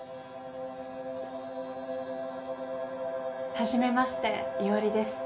はじめまして伊織です。